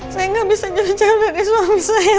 saya gak bisa jauh jauh dari suami saya